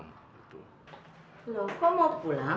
loh kok mau pulang